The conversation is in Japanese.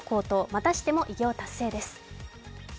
またしても偉業達成です。